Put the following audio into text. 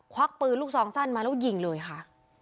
วักปืนลูกซองสั้นมาแล้วยิงเลยค่ะ